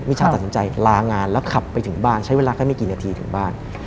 ชาตัดสินใจลางานแล้วขับไปถึงบ้านใช้เวลาแค่ไม่กี่นาทีถึงบ้าน